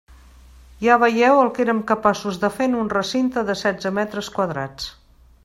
Ja veieu el que érem capaços de fer en un recinte de setze metres quadrats.